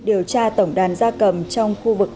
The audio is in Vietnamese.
điều tra tổng đàn da cầm trong khu vực